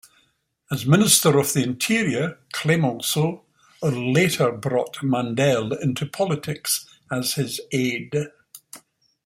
As Minister of the Interior, Clemenceau later brought Mandel into politics as his aide.